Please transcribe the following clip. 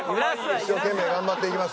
一生懸命頑張っていきます。